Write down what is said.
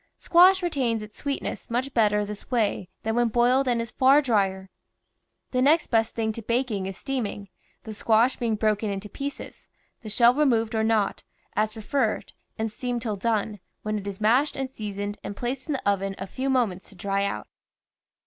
Squash retains its sweetness much better this way than when boiled and is far dryer. The next best thing to baking is steaming, the squash being broken into pieces, the shell removed or not, as preferred, and steamed till done, when it is mashed and seasoned and placed in the oven a few mo ments to dry out.